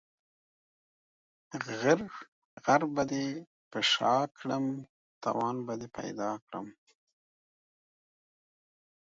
غر به دي په شاکړم ، توان به دي پيدا کړم.